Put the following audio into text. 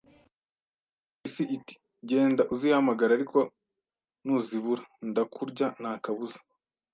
Impyisi iti genda uzihamagare, ariko nuzibura ndakurya nta kabuza